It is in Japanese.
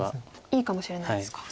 いいかもしれないですか。